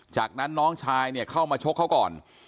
จากนั้นน้องชายเนี่ยเข้ามาชกเขาก่อน